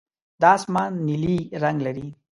دا اسمان نیلي رنګ لري.